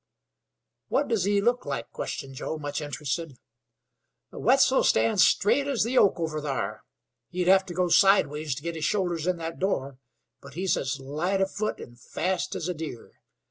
"What does he look like?" questioned Joe, much interested. "Wetzel stands straight as the oak over thar. He'd hev' to go sideways to git his shoulders in that door, but he's as light of foot an' fast as a deer.